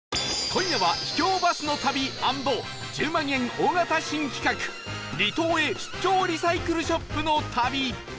今夜は秘境バスの旅＆『１０万円』大型新企画離島へ出張リサイクルショップの旅